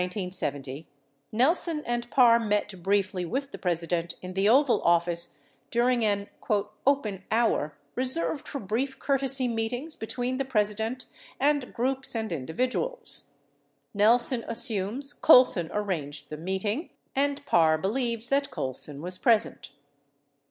PRESIDENTIAL MEETING WITH NELSON AND PARR On September 9, 1970, Nelson and Parr met briefly with the Pres ident in the Oval Office during an "open hour" reserved for brief courtesy meetings between the President and groups and individuals. Nelson assumes Colson arranged the meeting 53 and Parr believes that Colson was present.